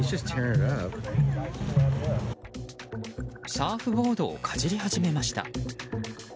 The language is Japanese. サーフボードをかじり始めました。